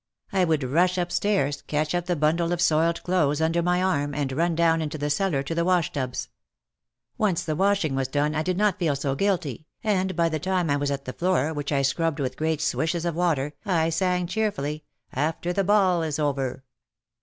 I would rush upstairs, catch up the bundle of soiled clothes under my arm and run down into the cellar to the wash tubs. Once the washing was done I did not feel so guilty, and by the time I was at the floor, which I scrubbed with great swishes of water, I sang cheerfully, "After the Ball is Over."